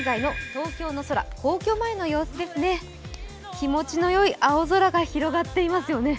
気持ちの良い青空が広がっていますよね。